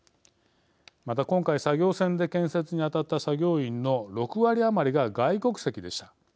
また今回、作業船で建設に当たった作業員の６割余りが外国籍でした。